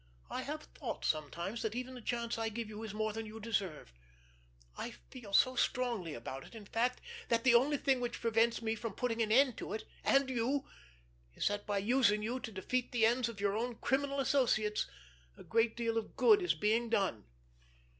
I have thought sometimes that even the chance I give you is more than you deserve. I feel so strongly about it, in fact, that the only thing which prevents me from putting an end to it—and you—is that by using you to defeat the ends of your own criminal associates a great deal of good is being done.